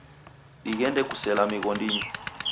Dighende kusela mighondinyi.